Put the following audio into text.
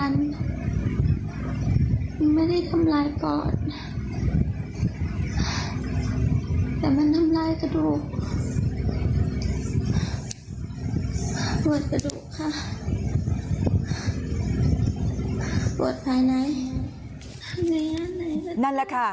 นั่นแหละค่ะ